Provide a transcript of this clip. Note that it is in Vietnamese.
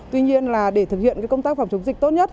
tuy nhiên là để thực hiện công tác phòng chống dịch tốt nhất